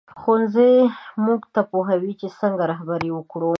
ښوونځی موږ پوهوي چې څنګه رهبري وکړو